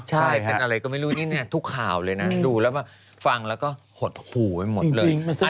ใช่เป็นอะไรก็ไม่รู้นี่ทุกข่าวเลยนะดูแล้วแบบฟังแล้วก็หดหูไปหมดเลย